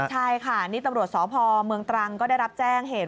ใช่ค่ะนี่ตำรวจสพเมืองตรังก็ได้รับแจ้งเหตุ